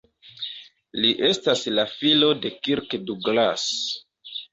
Li estas la filo de Kirk Douglas.